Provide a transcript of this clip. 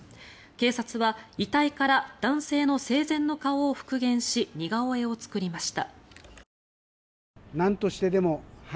警察は遺体から男性の生前の顔を復元し似顔絵を作りました。